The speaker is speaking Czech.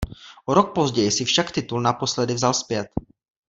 O rok později si však titul naposledy vzal zpět.